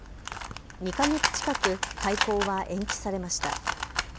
２か月近く開港は延期されました。